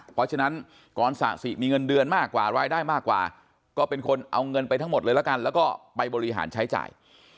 เพราะฉะนั้นกรศาสิมีเงินเดือนมากกว่ารายได้มากกว่าก็เป็นคนเอาเงินไปทั้งหมดเลยละกันแล้วก็ไปบริหารใช้จ่าย